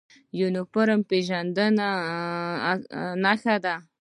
یونفورم د پیژندنې نښه ده